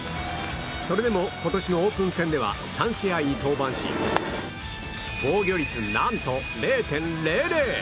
それでも、今年のオープン戦では３試合に登板し防御率何と０．００！